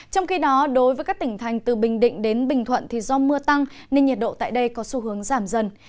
trong khi đó đối với các tỉnh thành từ bình định đến bình thuận do mưa tăng nên nhiệt độ tại đây có xu hướng giảm dần